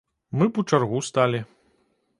Мы б у чаргу сталі.